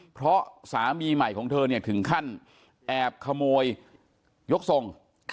เพราะสามีใหม่ของเธอเนี่ยถึงขั้นแอบขโมยยกทรง